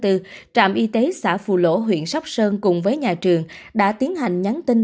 trạm y tế xã phù lỗ huyện sóc sơn cùng với nhà trường đã tiến hành nhắn tin